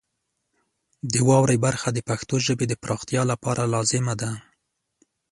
د واورئ برخه د پښتو ژبې د پراختیا لپاره لازمه ده.